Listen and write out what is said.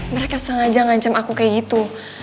mereka sengaja ngancam aku kayak gitu